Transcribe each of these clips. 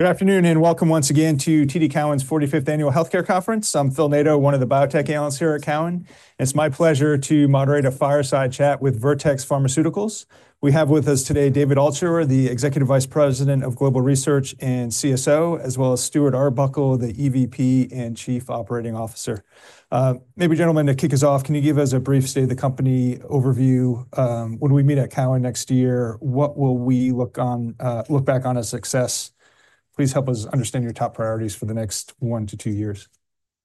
Good afternoon and welcome once again to TD Cowen's 45th Annual Healthcare Conference. I'm Phil Nadeau, one of the biotech analysts here at Cowen. It's my pleasure to moderate a fireside chat with Vertex Pharmaceuticals. We have with us today David Altshuler, the Executive Vice President of Global Research and CSO, as well as Stuart Arbuckle, the EVP and Chief Operating Officer. Maybe gentlemen, to kick us off, can you give us a brief state-of-the-company overview? When do we meet at Cowen next year? What will we look back on as success? Please help us understand your top priorities for the next one to two years.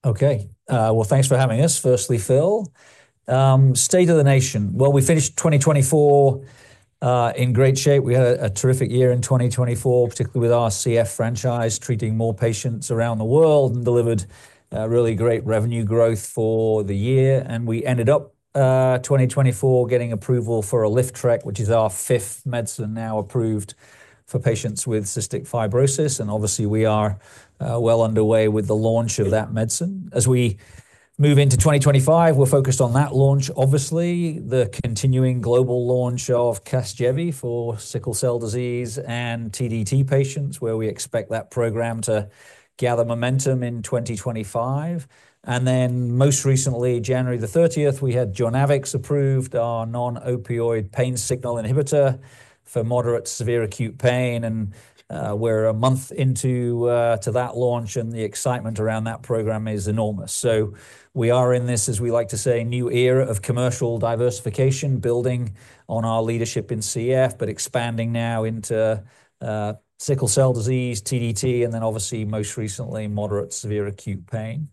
Okay, well, thanks for having us. Firstly, Phil, state of the nation. We finished 2024 in great shape. We had a terrific year in 2024, particularly with our CF franchise, treating more patients around the world and delivered really great revenue growth for the year. We ended up 2024 getting approval for Aliftraq, which is our fifth medicine now approved for patients with cystic fibrosis. Obviously, we are well underway with the launch of that medicine. As we move into 2025, we're focused on that launch, obviously, the continuing global launch of Casgevy for sickle cell disease and TDT patients, where we expect that program to gather momentum in 2025. Then most recently, January the 30th, we had Genavix approved our non-opioid pain signal inhibitor for moderate severe acute pain. We're a month into that launch, and the excitement around that program is enormous. So we are in this, as we like to say, new era of commercial diversification, building on our leadership in CF, but expanding now into sickle cell disease, TDT, and then obviously, most recently, moderate severe acute pain.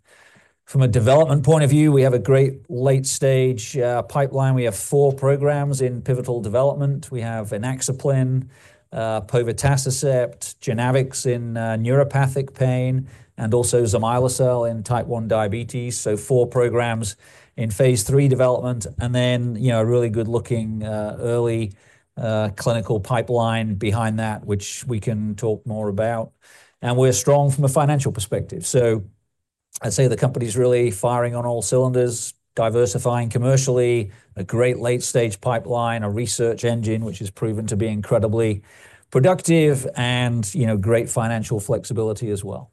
From a development point of view, we have a great late-stage pipeline. We have four programs in pivotal development. We have inaxaplin, povetacicept, Genavix in neuropathic pain, and also Zomilosil in type one diabetes. So four programs in Phase III development. And then a really good-looking early clinical pipeline behind that, which we can talk more about. And we're strong from a financial perspective. So I'd say the company's really firing on all cylinders, diversifying commercially, a great late-stage pipeline, a research engine, which has proven to be incredibly productive, and great financial flexibility as well.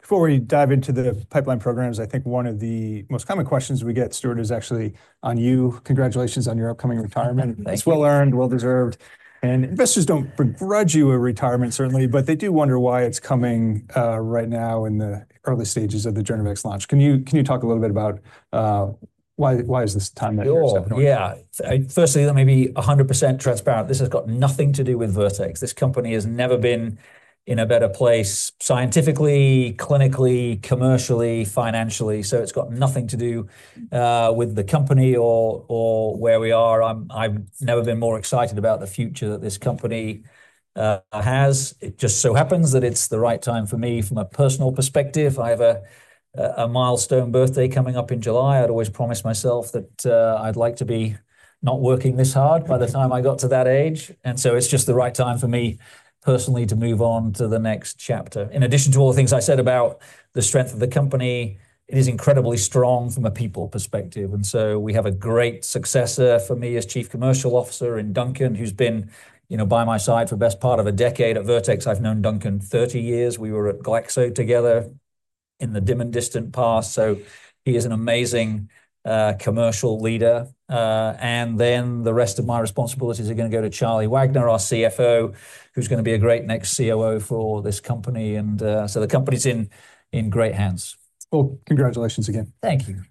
Before we dive into the pipeline programs, I think one of the most common questions we get, Stuart, is actually on you. Congratulations on your upcoming retirement. Thank you. It's well earned, well deserved. And investors don't begrudge you a retirement, certainly, but they do wonder why it's coming right now in the early stages of the Casgevy launch. Can you talk a little bit about why is this time that you're stepping down? Yeah, firstly, let me be 100% transparent. This has got nothing to do with Vertex. This company has never been in a better place scientifically, clinically, commercially, financially. So it's got nothing to do with the company or where we are. I've never been more excited about the future that this company has. It just so happens that it's the right time for me from a personal perspective. I have a milestone birthday coming up in July. I'd always promised myself that I'd like to be not working this hard by the time I got to that age. And so it's just the right time for me personally to move on to the next chapter. In addition to all the things I said about the strength of the company, it is incredibly strong from a people perspective. And so we have a great successor for me as Chief Commercial Officer in Duncan, who's been by my side for the best part of a decade. At Vertex, I've known Duncan 30 years. We were at Glaxo together in the dim and distant past. So he is an amazing commercial leader. And then the rest of my responsibilities are going to go to Charlie Wagner, our CFO, who's going to be a great next COO for this company. And so the company's in great hands. Congratulations again. Thank you.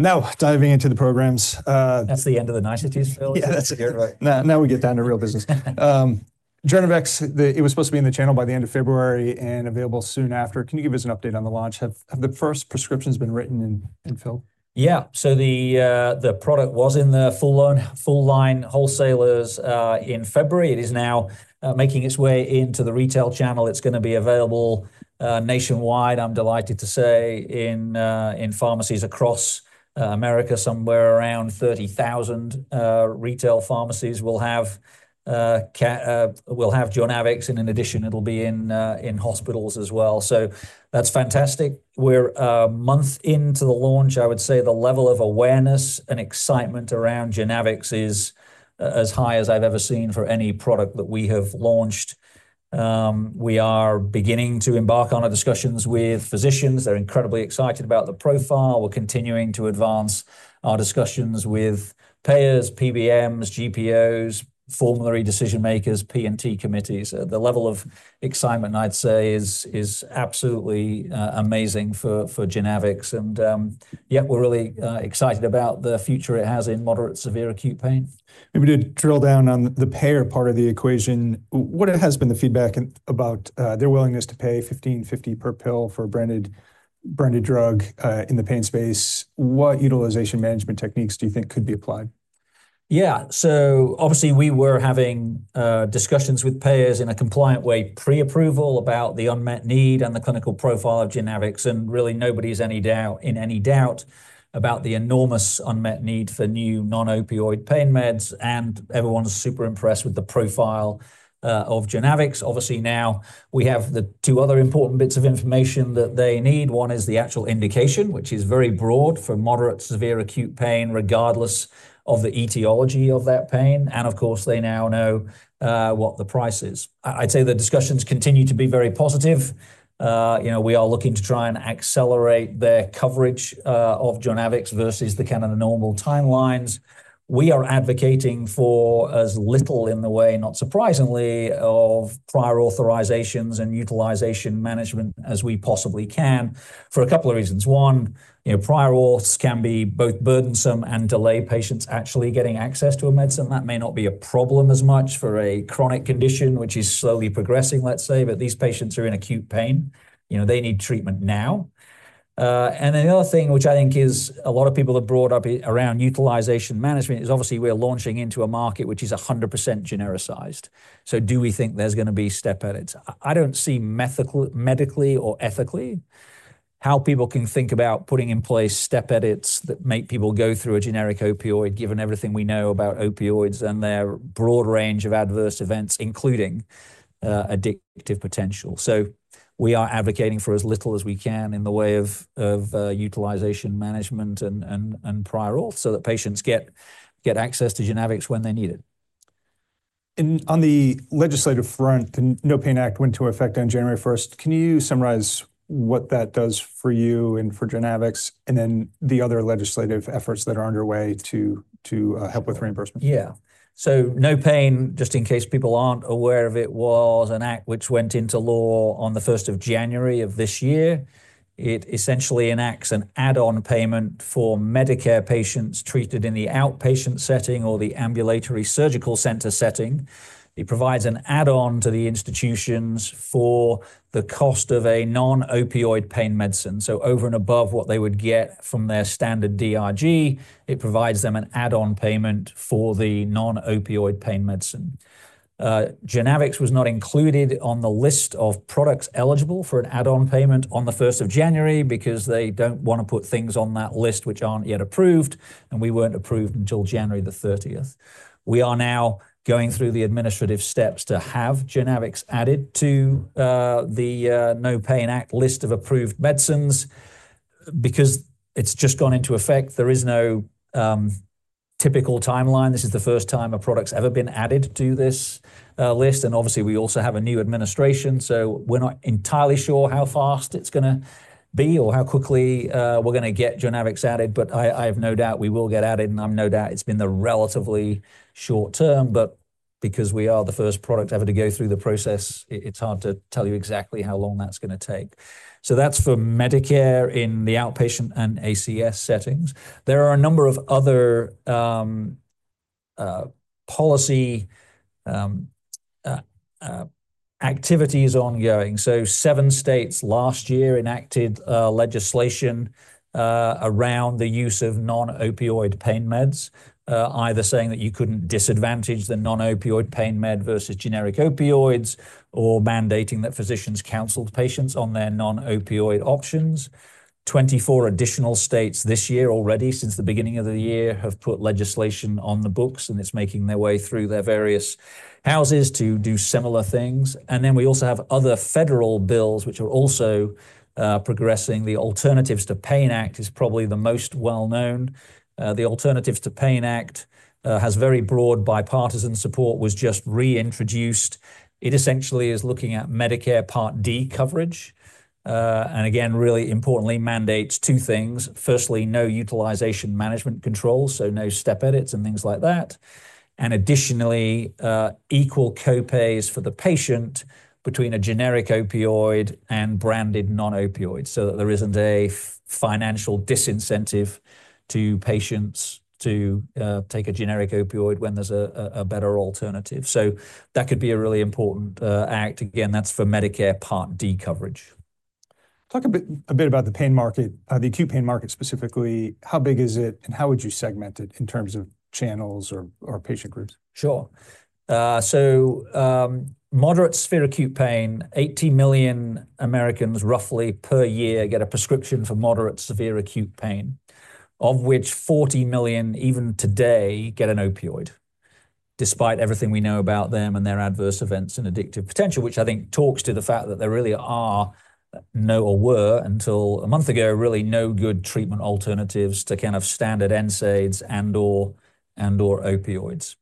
Now diving into the programs. That's the end of the niceties, Phil. Yeah, that's it. Right. Now we get down to real business. Casgevy, it was supposed to be in the channel by the end of February and available soon after. Can you give us an update on the launch? Have the first prescriptions been written in, Phil? Yeah, so the product was in the full line wholesalers in February. It is now making its way into the retail channel. It's going to be available nationwide, I'm delighted to say, in pharmacies across America. Somewhere around 30,000 retail pharmacies will have Genavix. And in addition, it'll be in hospitals as well. So that's fantastic. We're a month into the launch. I would say the level of awareness and excitement around Genavix is as high as I've ever seen for any product that we have launched. We are beginning to embark on our discussions with physicians. They're incredibly excited about the profile. We're continuing to advance our discussions with payers, PBMs, GPOs, formulary decision makers, P&T committees. The level of excitement, I'd say, is absolutely amazing for Genavix. And yeah, we're really excited about the future it has in moderate severe acute pain. If we did drill down on the payer part of the equation, what has been the feedback about their willingness to pay $15.50 per pill for a branded drug in the pain space? What utilization management techniques do you think could be applied? Yeah, so obviously, we were having discussions with payers in a compliant way pre-approval about the unmet need and the clinical profile of Genavix. And really, nobody's in any doubt about the enormous unmet need for new non-opioid pain meds. And everyone's super impressed with the profile of Genavix. Obviously, now we have the two other important bits of information that they need. One is the actual indication, which is very broad for moderate severe acute pain, regardless of the etiology of that pain. And of course, they now know what the price is. I'd say the discussions continue to be very positive. We are looking to try and accelerate their coverage of Genavix versus the kind of normal timelines. We are advocating for as little in the way, not surprisingly, of prior authorizations and utilization management as we possibly can for a couple of reasons. One, prior auths can be both burdensome and delay patients actually getting access to a medicine. That may not be a problem as much for a chronic condition, which is slowly progressing, let's say, but these patients are in acute pain. They need treatment now. And then the other thing, which I think a lot of people have brought up around utilization management, is obviously we're launching into a market which is 100% genericized. So do we think there's going to be step edits? I don't see medically or ethically how people can think about putting in place step edits that make people go through a generic opioid, given everything we know about opioids and their broad range of adverse events, including addictive potential. So we are advocating for as little as we can in the way of utilization management and prior auth so that patients get access to Genavix when they need it. On the legislative front, the NOPAIN Act went into effect on January 1st. Can you summarize what that does for you and for Genavix and then the other legislative efforts that are underway to help with reimbursement? Yeah, so NOPAIN, just in case people aren't aware of it, was an act which went into law on the 1st of January of this year. It essentially enacts an add-on payment for Medicare patients treated in the outpatient setting or the ambulatory surgical center setting. It provides an add-on to the institutions for the cost of a non-opioid pain medicine. So over and above what they would get from their standard DRG, it provides them an add-on payment for the non-opioid pain medicine. Genavix was not included on the list of products eligible for an add-on payment on the 1st of January because they don't want to put things on that list which aren't yet approved. And we weren't approved until January the 30th. We are now going through the administrative steps to have Genavix added to the NOPAIN Act list of approved medicines because it's just gone into effect. There is no typical timeline. This is the first time a product's ever been added to this list, and obviously, we also have a new administration, so we're not entirely sure how fast it's going to be or how quickly we're going to get Genavix added, but I have no doubt we will get added, and I have no doubt it's been the relatively short term, but because we are the first product ever to go through the process, it's hard to tell you exactly how long that's going to take, so that's for Medicare in the outpatient and ASC settings. There are a number of other policy activities ongoing. Seven states last year enacted legislation around the use of non-opioid pain meds, either saying that you couldn't disadvantage the non-opioid pain med versus generic opioids or mandating that physicians counsel patients on their non-opioid options. 24 additional states this year already, since the beginning of the year, have put legislation on the books. It's making its way through their various houses to do similar things. We also have other federal bills which are also progressing. The Alternatives to PAIN Act is probably the most well-known. The Alternatives to PAIN Act has very broad bipartisan support, was just reintroduced. It essentially is looking at Medicare Part D coverage. Again, really importantly, mandates two things. Firstly, no utilization management controls, so no step edits and things like that. Additionally, equal copays for the patient between a generic opioid and branded non-opioid so that there isn't a financial disincentive to patients to take a generic opioid when there's a better alternative. That could be a really important act. Again, that's for Medicare Part D coverage. Talk a bit about the pain market, the acute pain market specifically. How big is it and how would you segment it in terms of channels or patient groups? Sure. So moderate severe acute pain, 80 million Americans roughly per year get a prescription for moderate severe acute pain, of which 40 million, even today, get an opioid, despite everything we know about them and their adverse events and addictive potential, which I think talks to the fact that there really are no or were until a month ago, really no good treatment alternatives to kind of standard NSAIDs and/or opioids.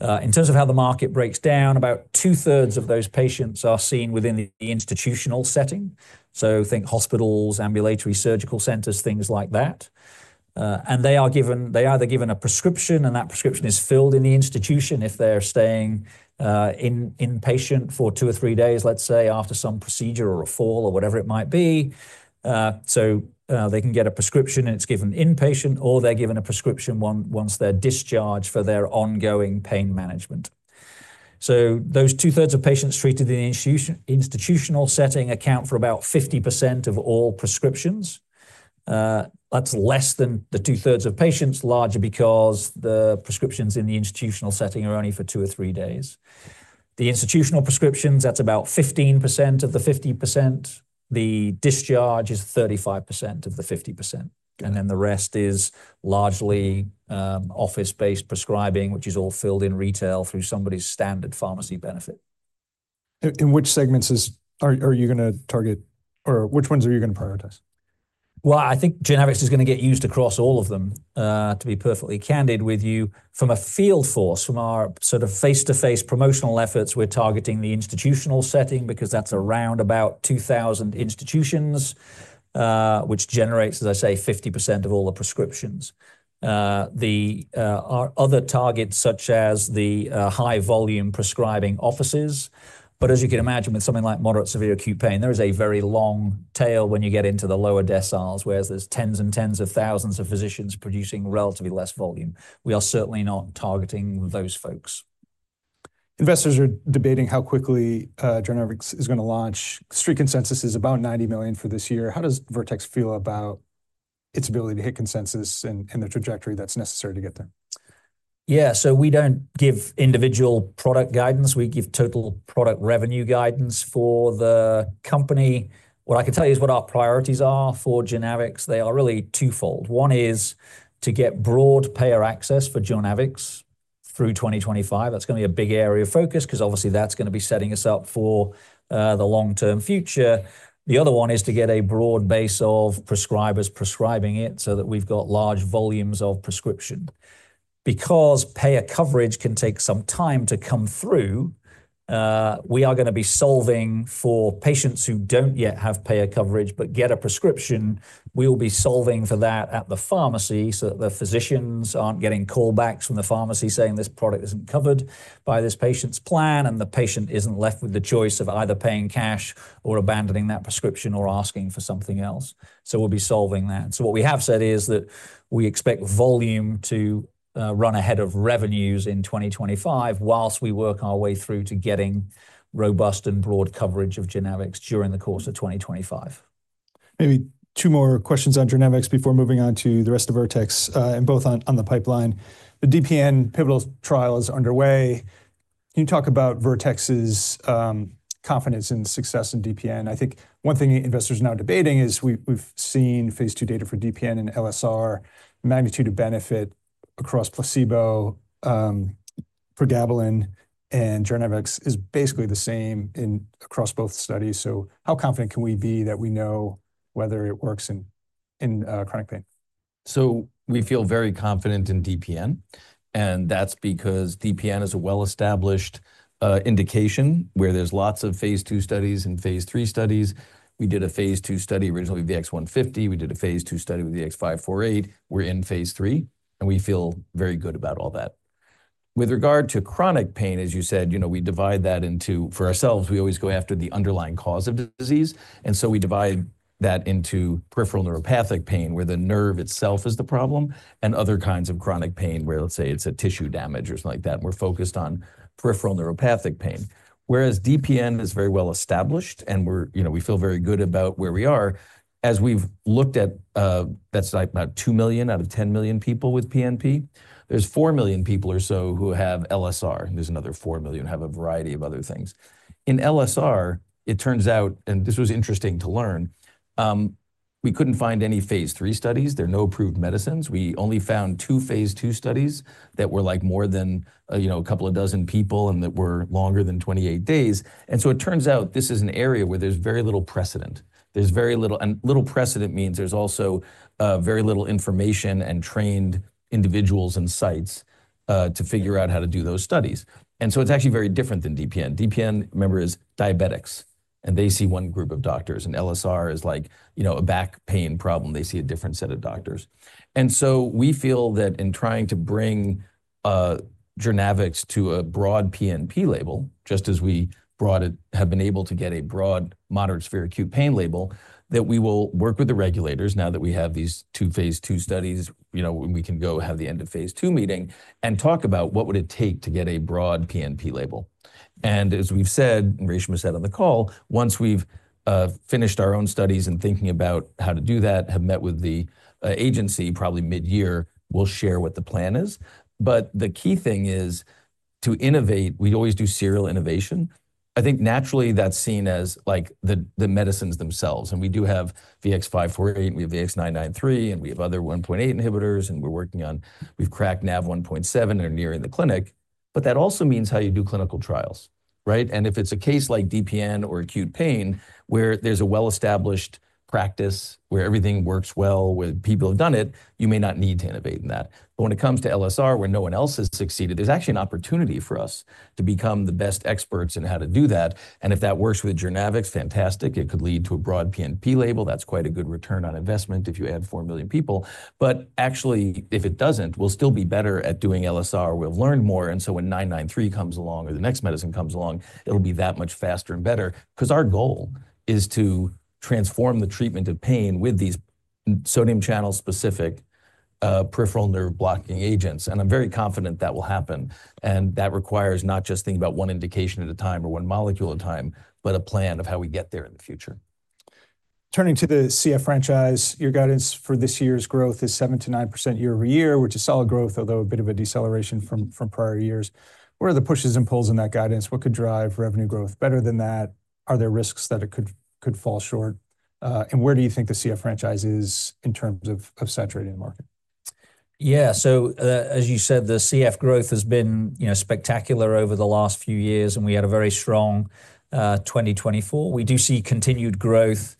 In terms of how the market breaks down, about two-thirds of those patients are seen within the institutional setting. So think hospitals, ambulatory surgical centers, things like that. And they are either given a prescription, and that prescription is filled in the institution if they're staying inpatient for two or three days, let's say, after some procedure or a fall or whatever it might be. So they can get a prescription, and it's given inpatient, or they're given a prescription once they're discharged for their ongoing pain management. So those two-thirds of patients treated in the institutional setting account for about 50% of all prescriptions. That's less than the two-thirds of patients, largely because the prescriptions in the institutional setting are only for two or three days. The institutional prescriptions, that's about 15% of the 50%. The discharge is 35% of the 50%. And then the rest is largely office-based prescribing, which is all filled in retail through somebody's standard pharmacy benefit. In which segments are you going to target, or which ones are you going to prioritize? I think Genavix is going to get used across all of them, to be perfectly candid with you. From a field force, from our sort of face-to-face promotional efforts, we're targeting the institutional setting because that's around about 2,000 institutions, which generates, as I say, 50% of all the prescriptions. The other targets, such as the high-volume prescribing offices. As you can imagine, with something like moderate severe acute pain, there is a very long tail when you get into the lower deciles, whereas there's tens and tens of thousands of physicians producing relatively less volume. We are certainly not targeting those folks. Investors are debating how quickly Genavix is going to launch. Street consensus is about $90 million for this year. How does Vertex feel about its ability to hit consensus and the trajectory that's necessary to get there? Yeah, so we don't give individual product guidance. We give total product revenue guidance for the company. What I can tell you is what our priorities are for Genavix. They are really twofold. One is to get broad payer access for Genavix through 2025. That's going to be a big area of focus because obviously that's going to be setting us up for the long-term future. The other one is to get a broad base of prescribers prescribing it so that we've got large volumes of prescription. Because payer coverage can take some time to come through, we are going to be solving for patients who don't yet have payer coverage but get a prescription. We'll be solving for that at the pharmacy so that the physicians aren't getting callbacks from the pharmacy saying, "This product isn't covered by this patient's plan," and the patient isn't left with the choice of either paying cash or abandoning that prescription or asking for something else. So we'll be solving that. So what we have said is that we expect volume to run ahead of revenues in 2025 while we work our way through to getting robust and broad coverage of Genavix during the course of 2025. Maybe two more questions on Genavix before moving on to the rest of Vertex and both on the pipeline. The DPN pivotal trial is underway. Can you talk about Vertex's confidence in success in DPN? I think one thing investors are now debating is we've seen Phase I data for DPN and LSR. The magnitude of benefit across placebo, pregabalin, and Genavix is basically the same across both studies. So how confident can we be that we know whether it works in chronic pain? We feel very confident in DPN. And that's because DPN is a well-established indication where there's lots of Phase II studies and Phase III studies. We did a Phase II study originally with the VX-150. We did a Phase II study with the VX-548. We're in Phase III, and we feel very good about all that. With regard to chronic pain, as you said, we divide that into for ourselves, we always go after the underlying cause of disease. And so we divide that into peripheral neuropathic pain, where the nerve itself is the problem, and other kinds of chronic pain where, let's say, it's a tissue damage or something like that. And we're focused on peripheral neuropathic pain. Whereas DPN is very well established, and we feel very good about where we are. As we've looked at, that's about two million out of 10 million people with PNP. There's four million people or so who have LSR. There's another four million who have a variety of other things. In LSR, it turns out, and this was interesting to learn, we couldn't find any Phase III studies. There are no approved medicines. We only found two Phase II studies that were like more than a couple of dozen people and that were longer than 28 days. It turns out this is an area where there's very little precedent. There's very little, and little precedent means there's also very little information and trained individuals and sites to figure out how to do those studies. It's actually very different than DPN. DPN, remember, is diabetics, and they see one group of doctors. LSR is like a back pain problem. They see a different set of doctors. And so we feel that in trying to bring Genavix to a broad PNP label, just as we have been able to get a broad moderate severe acute pain label, that we will work with the regulators now that we have these two Phase II studies. We can go have the end of Phase II meeting and talk about what would it take to get a broad PNP label, and as we've said, and Reshma said on the call, once we've finished our own studies and thinking about how to do that, have met with the agency probably mid-year, we'll share what the plan is, but the key thing is to innovate. We always do serial innovation. I think naturally that's seen as the medicines themselves, and we do have the VX-548, and we have the VX-993, and we have other 1.8 inhibitors. And we're working on, we've cracked NaV1.7 and are nearing the clinic. But that also means how you do clinical trials, right? And if it's a case like DPN or acute pain where there's a well-established practice where everything works well, where people have done it, you may not need to innovate in that. But when it comes to LSR, where no one else has succeeded, there's actually an opportunity for us to become the best experts in how to do that. And if that works with Genavix, fantastic. It could lead to a broad PNP label. That's quite a good return on investment if you add four million people. But actually, if it doesn't, we'll still be better at doing LSR. We'll learn more. And so when 993 comes along or the next medicine comes along, it'll be that much faster and better because our goal is to transform the treatment of pain with these sodium channel-specific peripheral nerve blocking agents. And I'm very confident that will happen. And that requires not just thinking about one indication at a time or one molecule at a time, but a plan of how we get there in the future. Turning to the CF franchise, your guidance for this year's growth is 7%-9% year over year, which is solid growth, although a bit of a deceleration from prior years. What are the pushes and pulls in that guidance? What could drive revenue growth? Better than that, are there risks that it could fall short? And where do you think the CF franchise is in terms of saturating the market? Yeah, so as you said, the CF growth has been spectacular over the last few years, and we had a very strong 2024. We do see continued growth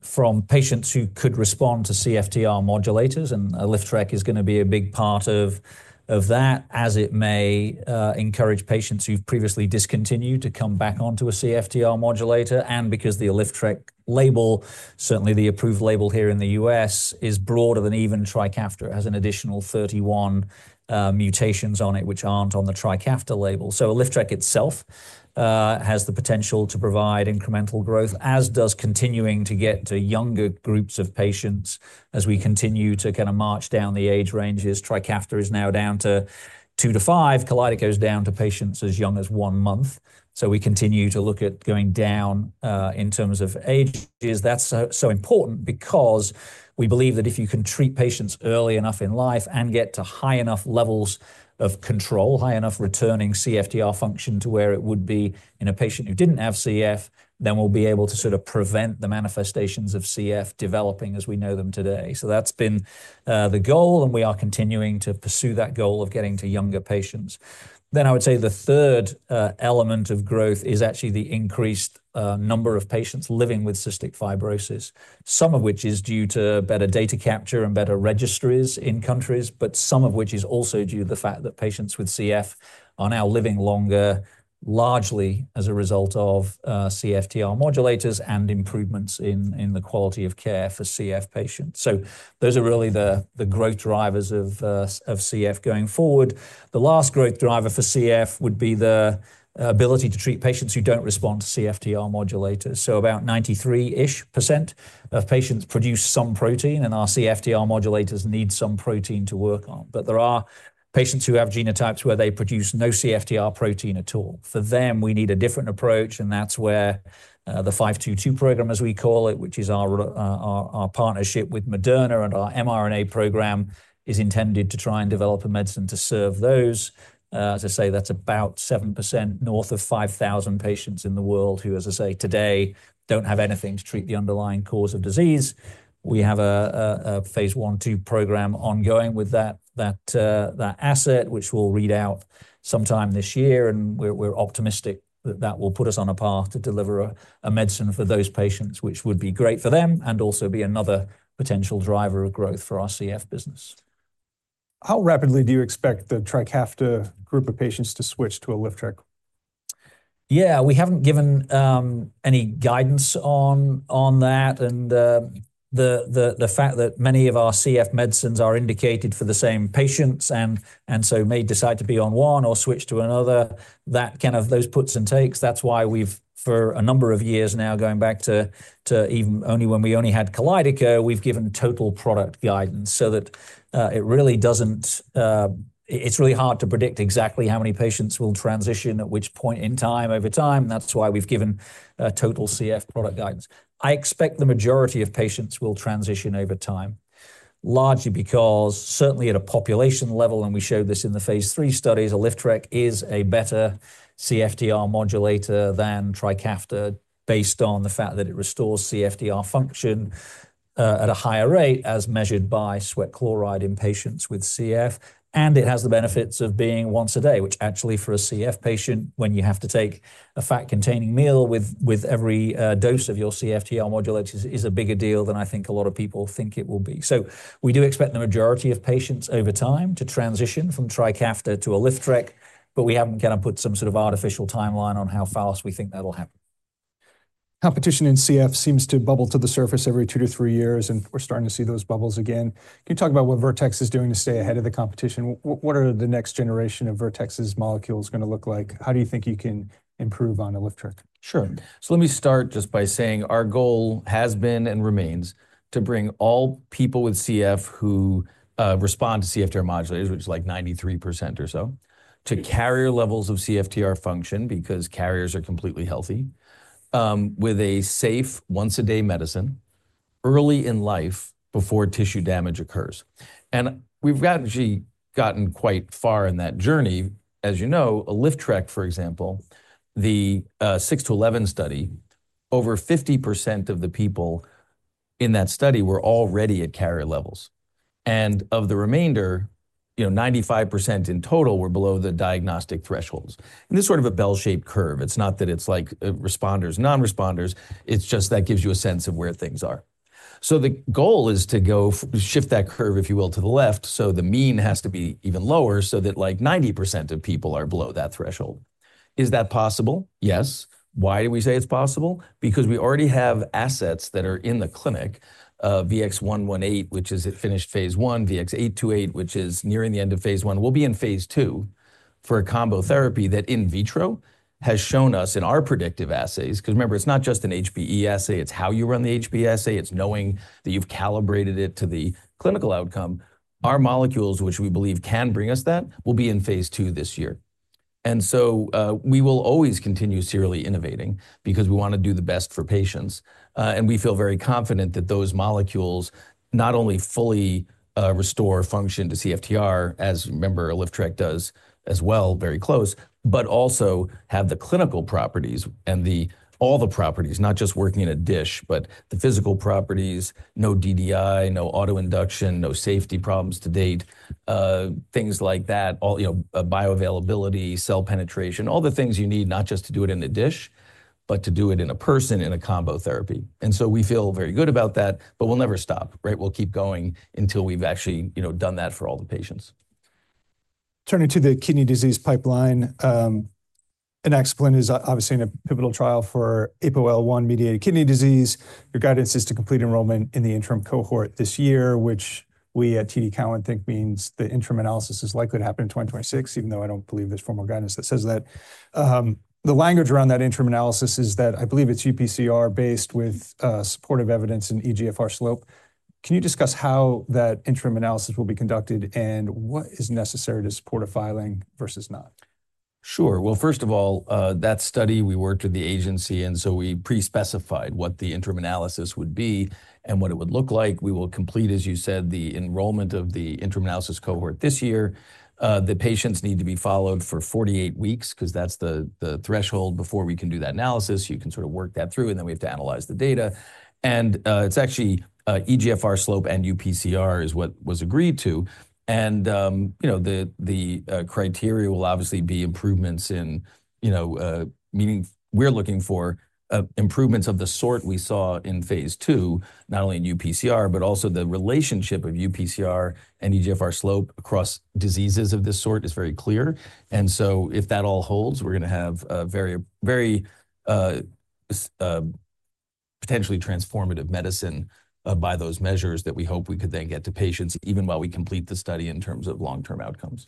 from patients who could respond to CFTR modulators. And Aliftraq is going to be a big part of that, as it may encourage patients who've previously discontinued to come back onto a CFTR modulator. And because the Aliftraq label, certainly the approved label here in the US, is broader than even Trikafta. It has an additional 31 mutations on it, which aren't on the Trikafta label. So Aliftraq itself has the potential to provide incremental growth, as does continuing to get to younger groups of patients as we continue to kind of march down the age ranges. Trikafta is now down to two to five. Kalydeco goes down to patients as young as one month. So we continue to look at going down in terms of ages. That's so important because we believe that if you can treat patients early enough in life and get to high enough levels of control, high enough returning CFTR function to where it would be in a patient who didn't have CF, then we'll be able to sort of prevent the manifestations of CF developing as we know them today. So that's been the goal, and we are continuing to pursue that goal of getting to younger patients. Then I would say the third element of growth is actually the increased number of patients living with cystic fibrosis, some of which is due to better data capture and better registries in countries, but some of which is also due to the fact that patients with CF are now living longer, largely as a result of CFTR modulators and improvements in the quality of care for CF patients. So those are really the growth drivers of CF going forward. The last growth driver for CF would be the ability to treat patients who don't respond to CFTR modulators. So about 93-ish% of patients produce some protein, and our CFTR modulators need some protein to work on. But there are patients who have genotypes where they produce no CFTR protein at all. For them, we need a different approach, and that's where the 522 program, as we call it, which is our partnership with Moderna and our mRNA program, is intended to try and develop a medicine to serve those. As I say, that's about 7% north of 5,000 patients in the world who, as I say, today don't have anything to treat the underlying cause of disease. We have a Phase I/II program ongoing with that asset, which we'll read out sometime this year, and we're optimistic that that will put us on a path to deliver a medicine for those patients, which would be great for them and also be another potential driver of growth for our CF business. How rapidly do you expect the Trikafta group of patients to switch to Aliftraq? Yeah, we haven't given any guidance on that. The fact that many of our CF medicines are indicated for the same patients and so may decide to be on one or switch to another, that kind of those puts and takes, that's why we've, for a number of years now, going back to when we only had Kalydeco, given total product guidance so that it really doesn't. It's really hard to predict exactly how many patients will transition at which point in time over time. That's why we've given total CF product guidance. I expect the majority of patients will transition over time, largely because certainly at a population level, and we showed this in the Phase III studies, Aliftraq is a better CFTR modulator than Trikafta based on the fact that it restores CFTR function at a higher rate as measured by sweat chloride in patients with CF, and it has the benefits of being once a day, which actually for a CF patient, when you have to take a fat-containing meal with every dose of your CFTR modulator, is a bigger deal than I think a lot of people think it will be, so we do expect the majority of patients over time to transition from Trikafta to Aliftraq, but we haven't kind of put some sort of artificial timeline on how fast we think that'll happen. Competition in CF seems to bubble to the surface every two to three years, and we're starting to see those bubbles again. Can you talk about what Vertex is doing to stay ahead of the competition? What are the next generation of Vertex's molecules going to look like? How do you think you can improve on Aliftraq? Sure. So let me start just by saying our goal has been and remains to bring all people with CF who respond to CFTR modulators, which is like 93% or so, to carrier levels of CFTR function because carriers are completely healthy, with a safe once-a-day medicine early in life before tissue damage occurs. And we've actually gotten quite far in that journey. As you know, Aliftraq, for example, the 6-11 study, over 50% of the people in that study were already at carrier levels. And of the remainder, 95% in total were below the diagnostic thresholds. And this is sort of a bell-shaped curve. It's not that it's like responders, non-responders. It's just that gives you a sense of where things are. So the goal is to go shift that curve, if you will, to the left. So the mean has to be even lower so that like 90% of people are below that threshold. Is that possible? Yes. Why do we say it's possible? Because we already have assets that are in the clinic, VX-118, which has finished Phase I, VX-828, which is nearing the end of Phase I, will be in Phase II for a combo therapy that in vitro has shown us in our predictive assays. Because remember, it's not just an HBE assay. It's how you run the HB assay. It's knowing that you've calibrated it to the clinical outcome. Our molecules, which we believe can bring us that, will be in Phase II this year. And so we will always continue serially innovating because we want to do the best for patients. And we feel very confident that those molecules not only fully restore function to CFTR, as remember, Aliftraq does as well, very close, but also have the clinical properties and all the properties, not just working in a dish, but the physical properties, no DDI, no autoinduction, no safety problems to date, things like that, bioavailability, cell penetration, all the things you need, not just to do it in the dish, but to do it in a person in a combo therapy. And so we feel very good about that, but we'll never stop, right? We'll keep going until we've actually done that for all the patients. Turning to the kidney disease pipeline, Inaxaplin is obviously in a pivotal trial for APOL1-mediated kidney disease. Your guidance is to complete enrollment in the interim cohort this year, which we at TD Cowen think means the interim analysis is likely to happen in 2026, even though I don't believe there's formal guidance that says that. The language around that interim analysis is that I believe it's UPCR based with supportive evidence and eGFR slope. Can you discuss how that interim analysis will be conducted and what is necessary to support a filing versus not? Sure. Well, first of all, that study, we worked with the agency, and so we pre-specified what the interim analysis would be and what it would look like. We will complete, as you said, the enrollment of the interim analysis cohort this year. The patients need to be followed for 48 weeks because that's the threshold before we can do that analysis. You can sort of work that through, and then we have to analyze the data. And it's actually eGFR slope and UPCR is what was agreed to. And the criteria will obviously be improvements in, we're looking for improvements of the sort we saw in Phase II, not only in UPCR, but also the relationship of UPCR and eGFR slope across diseases of this sort is very clear. And so if that all holds, we're going to have very potentially transformative medicine by those measures that we hope we could then get to patients even while we complete the study in terms of long-term outcomes.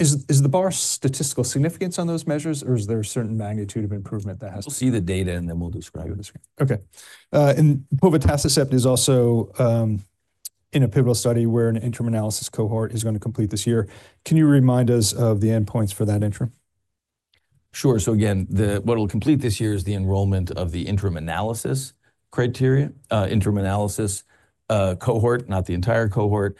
Is the bar statistical significance on those measures, or is there a certain magnitude of improvement that has to be? We'll see the data, and then we'll describe it. Okay. And Povetacicept is also in a pivotal study where an interim analysis cohort is going to complete this year. Can you remind us of the end points for that interim? Sure. So again, what will complete this year is the enrollment of the interim analysis criteria, interim analysis cohort, not the entire cohort.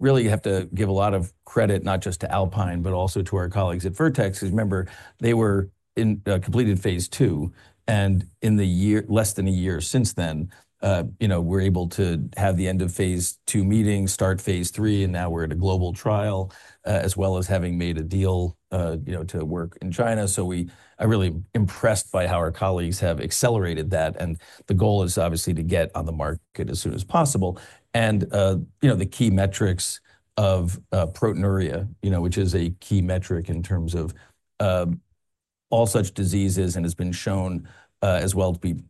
Really, you have to give a lot of credit, not just to Alpine, but also to our colleagues at Vertex, because remember, they completed Phase II, and in the year, less than a year since then, we're able to have the end of Phase II meetings, start Phase III, and now we're at a global trial, as well as having made a deal to work in China, so I'm really impressed by how our colleagues have accelerated that, and the goal is obviously to get on the market as soon as possible. And the key metrics of proteinuria, which is a key metric in terms of all such diseases, and has been shown as well to be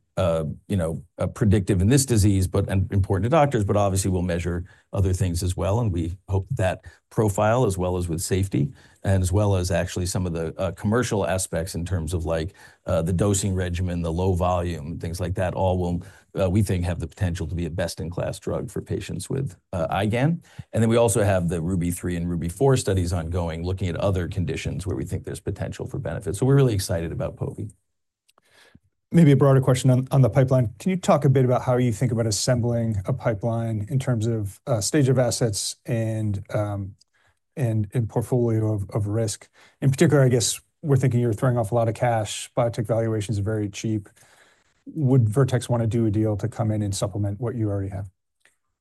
predictive in this disease, but important to doctors, but obviously we'll measure other things as well. And we hope that profile, as well as with safety, and as well as actually some of the commercial aspects in terms of like the dosing regimen, the low volume, things like that, all will, we think, have the potential to be a best-in-class drug for patients with IgAN. And then we also have the Ruby 3 and Ruby 4 studies ongoing, looking at other conditions where we think there's potential for benefit. So we're really excited about povetacicept. Maybe a broader question on the pipeline. Can you talk a bit about how you think about assembling a pipeline in terms of stage of assets and portfolio of risk? In particular, I guess we're thinking you're throwing off a lot of cash. Biotech valuations are very cheap. Would Vertex want to do a deal to come in and supplement what you already have?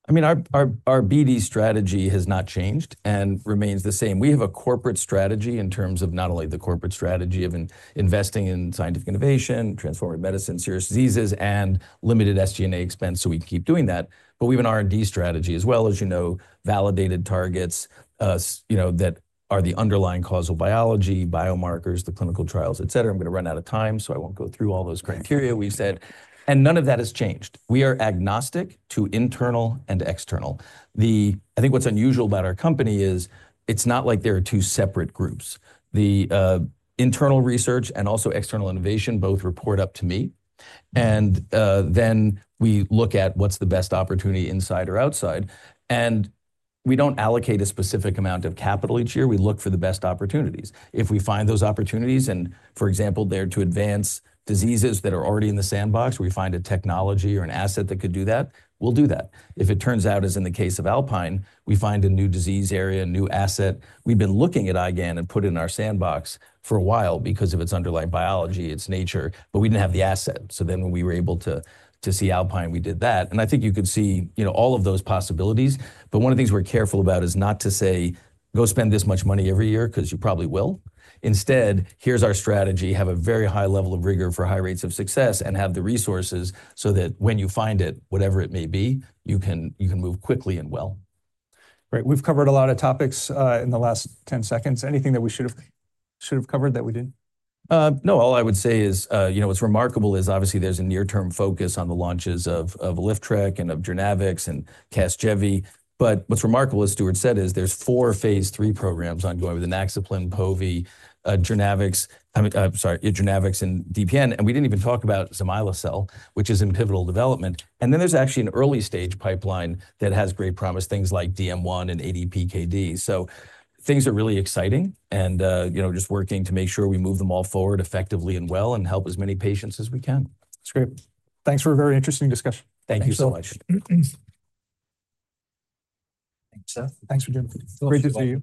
I mean, our BD strategy has not changed and remains the same. We have a corporate strategy in terms of not only the corporate strategy of investing in scientific innovation, transformative medicine, serious diseases, and limited SG&A expense so we can keep doing that. But we have an R&D strategy as well, as you know, validated targets that are the underlying causal biology, biomarkers, the clinical trials, et cetera. I'm going to run out of time, so I won't go through all those criteria we've said. And none of that has changed. We are agnostic to internal and external. I think what's unusual about our company is it's not like there are two separate groups. The internal research and also external innovation both report up to me. And then we look at what's the best opportunity inside or outside. And we don't allocate a specific amount of capital each year. We look for the best opportunities. If we find those opportunities, and for example, they're to advance diseases that are already in the sandbox, we find a technology or an asset that could do that, we'll do that. If it turns out, as in the case of Alpine, we find a new disease area, a new asset, we've been looking at IgAN and put it in our sandbox for a while because of its underlying biology, its nature, but we didn't have the asset. So then when we were able to see Alpine, we did that. And I think you could see all of those possibilities. But one of the things we're careful about is not to say, go spend this much money every year because you probably will. Instead, here's our strategy, have a very high level of rigor for high rates of success and have the resources so that when you find it, whatever it may be, you can move quickly and well. Right. We've covered a lot of topics in the last 10 seconds. Anything that we should have covered that we didn't? No, all I would say is what's remarkable is obviously there's a near-term focus on the launches of Aliftraq and of Genavix and Casgevy. But what's remarkable, as Stuart said, is there's four Phase III programs ongoing with Inaxaplin, povetacicept, Genavix, sorry, Genavix and DPN. And we didn't even talk about Zomilosil, which is in pivotal development. And then there's actually an early stage pipeline that has great promise, things like DM1 and ADPKD. So things are really exciting and just working to make sure we move them all forward effectively and well and help as many patients as we can. That's great. Thanks for a very interesting discussion. Thank you so much. Thanks, Phil. Thanks for joining me. Great to see you.